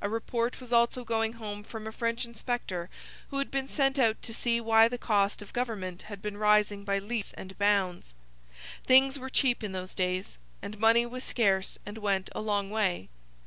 A report was also going home from a French inspector who had been sent out to see why the cost of government had been rising by leaps and bounds. Things were cheap in those days, and money was scarce and went a long way.